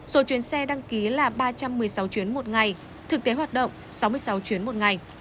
số chuyến xe đăng ký là ba trăm một mươi sáu chuyến một ngày thực tế hoạt động sáu mươi sáu chuyến một ngày